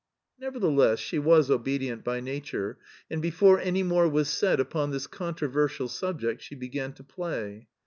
*" Nevertheless, she was obedient by nature, and before any more was said upon this controversial sub ject she began to play.